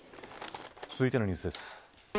続いてのニュースです。